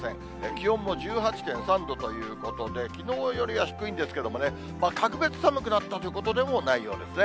気温も１８．３度ということで、きのうよりは低いんですけどもね、格別寒くなったということでもないようですね。